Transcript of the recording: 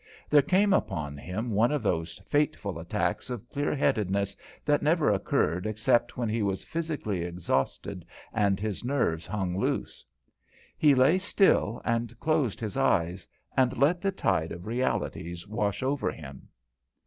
There came upon him one of those fateful attacks of clear headedness that never occurred except when he was physically exhausted and his nerves hung loose. He lay still and closed his eyes and let the tide of realities wash over him.